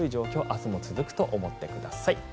明日も続くと思ってください。